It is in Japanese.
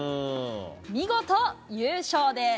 見事、優勝です。